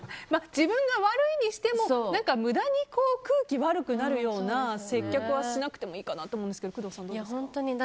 自分が悪いにしても無駄に空気悪くなるような接客はしなくてもいいかなと思うんですけど工藤さんは、どうですか？